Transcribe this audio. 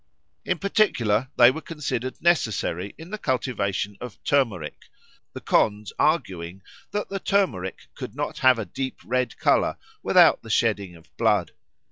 In particular, they were considered necessary in the cultivation of turmeric, the Khonds arguing that the turmeric could not have a deep red colour without the shedding of blood.